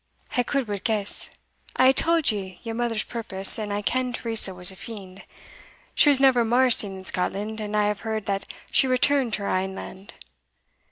"I could but guess. I have tauld ye your mother's purpose, and I ken Teresa was a fiend. She was never mair seen in Scotland, and I have heard that she returned to her ain land.